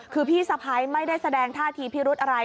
คือพี่สะพ้ายไม่ได้แสดงท่าทีพิรุธอะไร